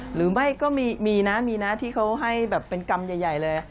หรือไม่ก็มีนะมีนะที่เขาให้แบบเป็นกรรมใหญ่เลย